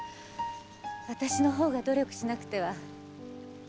私の方が努力しなくては。